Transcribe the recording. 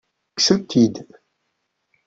Kksen-tt-id?